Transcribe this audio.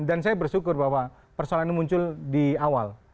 dan saya bersyukur bahwa persoalannya muncul di awal